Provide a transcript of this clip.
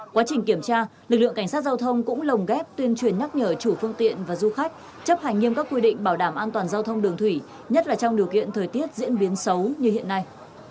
quá trình kiểm tra lực lượng cảnh sát giao thông cũng lồng ghép tuyên truyền nhắc nhở chủ phương tiện và du khách chấp hành nghiêm các quy định bảo đảm an toàn giao thông đường thủy nhất là trong điều kiện thời tiết diễn biến xấu như hiện nay